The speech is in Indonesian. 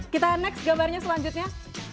kita next gambarnya selanjutnya